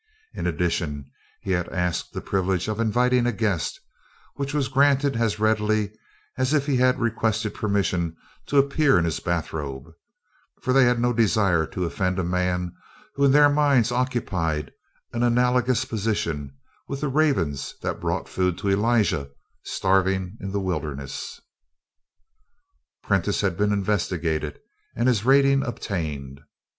In addition, he had asked the privilege of inviting a guest, which was granted as readily as if he had requested permission to appear in his bathrobe, for they had no desire to offend a man who in their minds occupied an analogous position with the ravens that brought food to Elijah starving in the wilderness. Prentiss had been investigated and his rating obtained.